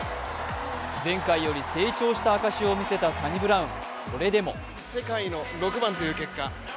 前回より成長した証しを見せたサニブラウン。